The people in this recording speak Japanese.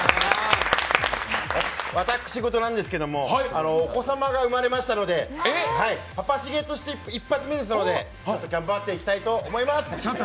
私事なんですけど、お子様が生まれましたのでパパしげとして一発目ですので、頑張っていきたいと思います。